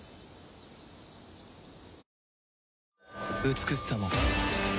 美しさも